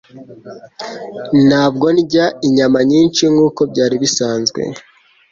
Ntabwo ndya inyama nyinshi nkuko byari bisanzwe